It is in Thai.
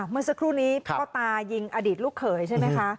เมื่อสักครู่นี้พ่อตายิงอดีตลูกเขยใช่ไหมคะ